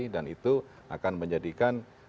dan itu akan menjadikan